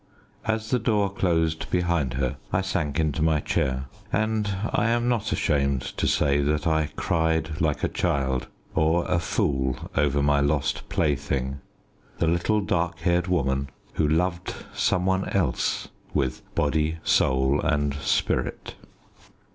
As the door closed behind her I sank into my chair, and I am not ashamed to say that I cried like a child or a fool over my lost plaything the little dark haired woman who loved some one else with "body, soul, and spirit."